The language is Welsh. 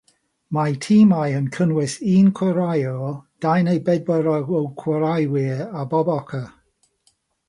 Mae'r timau'n cynnwys un chwaraewr, dau neu bedwar o chwaraewyr ar bob ochr.